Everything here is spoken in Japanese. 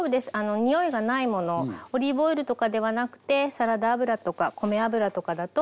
匂いがないものオリーブオイルとかではなくてサラダ油とか米油とかだと大丈夫だと思います。